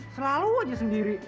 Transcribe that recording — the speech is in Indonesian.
selalu aja sendiri